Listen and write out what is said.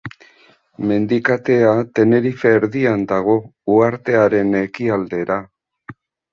Mendikatea Tenerife erdian dago, uhartearen ekialdera.